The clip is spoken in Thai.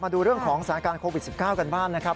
ดูเรื่องของสถานการณ์โควิด๑๙กันบ้างนะครับ